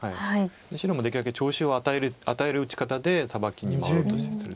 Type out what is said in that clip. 白もできるだけ調子を与える打ち方でサバキに回ろうとする。